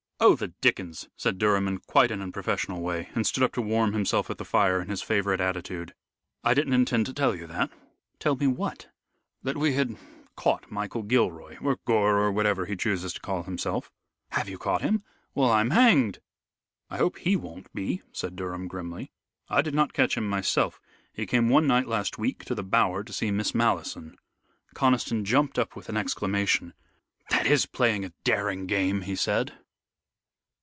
"Oh, the dickens!" said Durham in quite an unprofessional way, and stood up to warm himself at the fire in his favorite attitude. "I didn't intend to tell you that." "Tell me what?" "That we had caught Michael Gilroy, or Gore, or whatever he chooses to call himself." "Have you caught him? Well, I'm hanged!" "I hope he won't be," said Durham, grimly. "I did not catch him myself. He came one night last week to the Bower to see Miss Malleson." Conniston jumped up with an exclamation. "That is playing a daring game," he said.